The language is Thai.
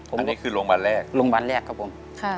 ตรงนี้คือโรงพยาบาลแรกโรงพยาบาลแรกครับผม